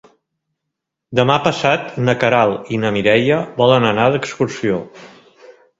Demà passat na Queralt i na Mireia volen anar d'excursió.